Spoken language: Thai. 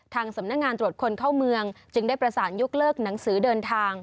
สำนักงานตรวจคนเข้าเมืองจึงได้ประสานยกเลิกหนังสือเดินทาง